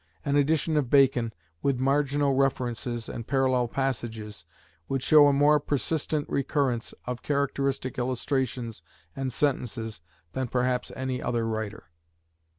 An edition of Bacon, with marginal references and parallel passages, would show a more persistent recurrence of characteristic illustrations and sentences than perhaps any other writer.